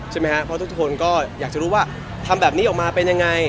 ใช่ไหมครับเพราะทุกคนก็อยากจะรู้ว่าทำแบบนี้ออกมาเป็นยังไง